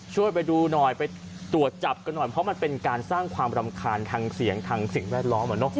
ช่วยไปดูหน่อยไปตรวจจับกันหน่อยเพราะมันเป็นการสร้างความรำคาญทางเสียงทางสิ่งแวดล้อม